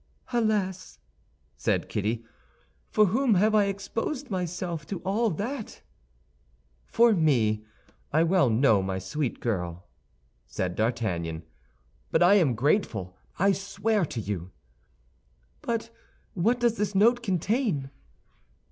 "Alas!" said Kitty, "for whom have I exposed myself to all that?" "For me, I well know, my sweet girl," said D'Artagnan. "But I am grateful, I swear to you." "But what does this note contain?"